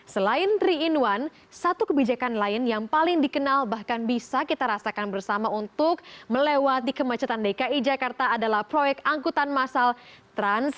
selain tiga in satu kebijakan lain yang paling dikenal bahkan bisa kita rasakan bersama untuk melewati kemacetan dki jakarta adalah proyek angkutan masal trans